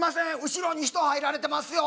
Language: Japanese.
後ろに人入られてますよ